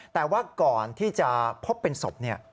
แต่ว่าก่อนที่จะพบเป็นศพ